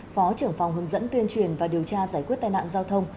phó trưởng phòng hướng dẫn tuyên truyền và điều tra giải quyết tai nạn giao thông